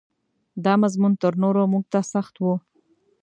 دا مضمون تر نورو موږ ته سخت و.